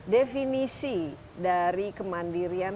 definisi dari kemandirian